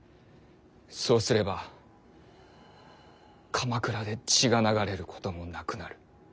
そうすれば鎌倉で血が流れることもなくなる。